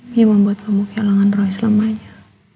dia membuat kamu kehilangan roi selamanya